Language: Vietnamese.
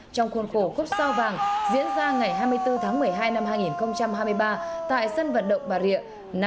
trong khuôn khổ khúc sao vàng diễn ra ngày hai mươi bốn tháng một mươi hai năm hai nghìn hai mươi ba tại sân vận động bà rịa